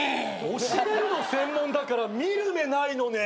教えるの専門だから見る目ないのね。